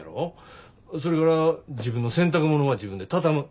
それから自分の洗濯物は自分で畳む。